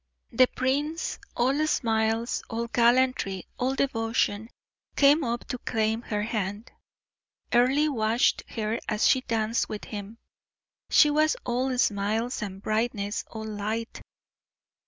The prince, all smiles, all gallantry, all devotion, came up to claim her hand. Earle watched her as she danced with him; she was all smiles, all brightness, all light.